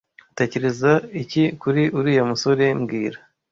Utekereza iki kuri uriya musore mbwira